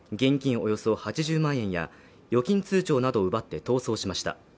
およそ８０万円や預金通帳などを奪って逃走しました